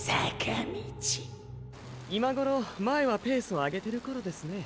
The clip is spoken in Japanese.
今頃前はペースを上げてる頃ですね。